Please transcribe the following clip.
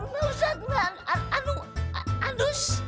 nah ustadz aduh adus